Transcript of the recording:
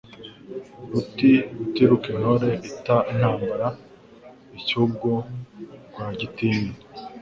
Ruti rutikura intore intambara icy'ubwo Rwagitinywa,